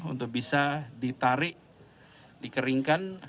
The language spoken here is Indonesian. untuk bisa ditarik dikeringkan